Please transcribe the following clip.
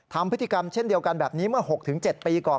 ทำพฤติกรรมเช่นเดียวกันแบบนี้เมื่อ๖๗ปีก่อน